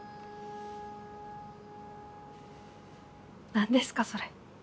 何ですかそれ。